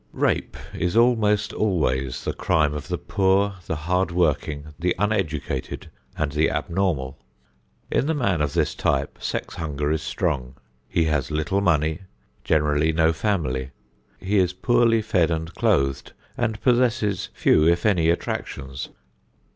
Rape is almost always the crime of the poor, the hardworking, the uneducated and the abnormal. In the man of this type sex hunger is strong; he has little money, generally no family; he is poorly fed and clothed and possesses few if any attractions.